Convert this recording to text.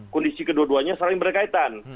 kondisi kedua duanya saling berkaitan